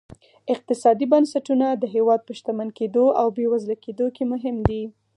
اقتصادي بنسټونه د هېواد په شتمن کېدو او بېوزله کېدو کې مهم دي.